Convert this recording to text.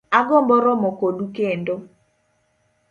Agombo romo kodu kendo